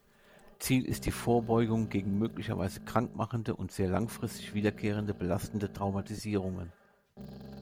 Ziel ist die Vorbeugung gegen möglicherweise krank machende und sehr langfristig wiederkehrende belastende Traumatisierungen.